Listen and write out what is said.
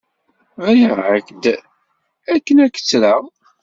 Ɣriɣ-ak-d ɣer akken ad k-ttreɣ.